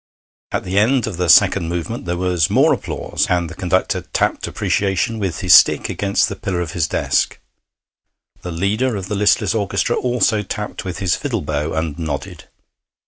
At the end of the second movement there was more applause, and the conductor tapped appreciation with his stick against the pillar of his desk; the leader of the listless orchestra also tapped with his fiddle bow and nodded.